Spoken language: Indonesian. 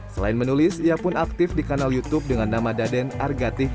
selain menulis ia pun aktif di kanal youtube dengan nama daden argative